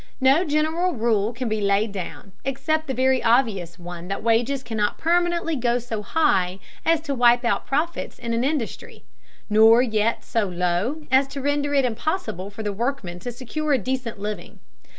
No general rule can be laid down, except the very obvious one that wages cannot permanently go so high as to wipe out profits in an industry, nor yet so low as to render it impossible for the workmen to secure a decent living.